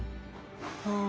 ああ。